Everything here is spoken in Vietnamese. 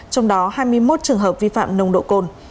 trong đó hai mươi một trường hợp vi phạm nồng độ cồn